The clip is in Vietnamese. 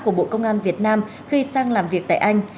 của bộ công an việt nam khi sang làm việc tại anh